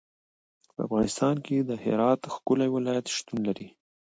په افغانستان کې د هرات ښکلی ولایت شتون لري.